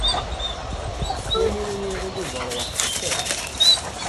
Yamina n Yiɣil Ubeṛwaq teffer.